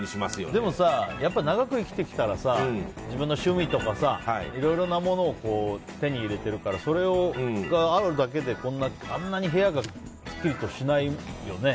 でもさ、長く生きてきたらさ自分の趣味とかいろいろなものを手に入れてるからそれがあるだけであんなに部屋がすっきりとしないよね。